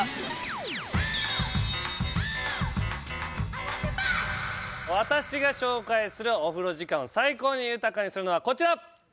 誰がそして私が紹介するお風呂時間を最高に豊かにするのはこちら！